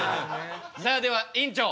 さあでは院長